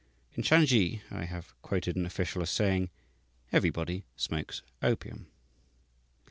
"In Shansi," I have quoted an official as saying, "everybody smokes opium."